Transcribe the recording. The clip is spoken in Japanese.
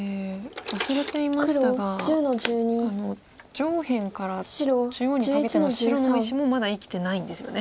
上辺から中央にかけての白の大石もまだ生きてないんですよね。